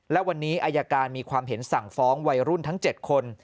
และวันนี้อายการมีความเห็นสั่งฟ้องวัยรุ่นทั้ง๗คน